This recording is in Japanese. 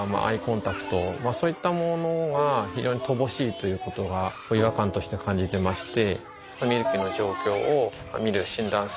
ということが違和感として感じていまして。